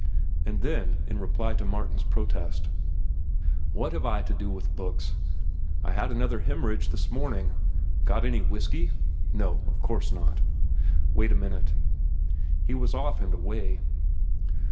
And then, in reply to Martin's protest: "What have I to do with books? I had another hemorrhage this morning. Got any whiskey? No, of course not. Wait a minute." He was off and away.